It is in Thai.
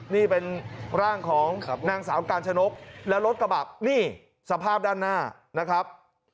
นี่เป็นร่างของนางสาวกาญชนกและรถกระบะนี่สภาพด้านหน้านะครับ